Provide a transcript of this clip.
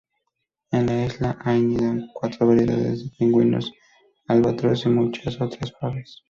En la isla anidan cuatro variedades de pingüinos, albatros y muchas otras aves.